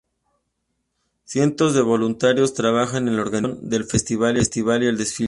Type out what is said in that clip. Cientos de voluntarios trabajan en la organización del festival y el desfile.